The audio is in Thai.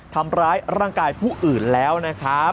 ทำร้ายร่างกายผู้อื่นแล้วนะครับ